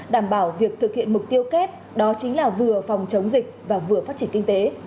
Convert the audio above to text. đảm bảo việc thực hiện mục tiêu kép đó chính là vừa phòng chống dịch và vừa phát triển kinh tế